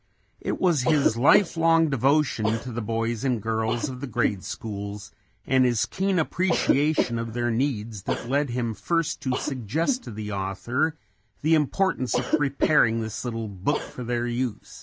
It was his life long devotion to the boys and girls of the grade schools and his keen appreciation of their needs that lead him first to suggest to the author the importance of preparing this little book for their use.